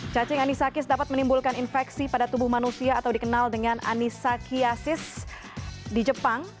cacing anisakis dapat menimbulkan infeksi pada tubuh manusia atau dikenal dengan anisakiasis di jepang